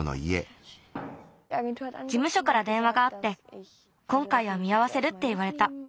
じむしょからでんわがあってこんかいは見あわせるっていわれた。